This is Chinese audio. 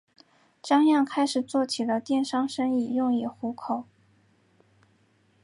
张漾开始做起了电商生意用以糊口。